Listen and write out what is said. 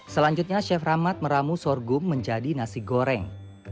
selanjutnya chef rahmat meramu sorghum menjadi nasi goreng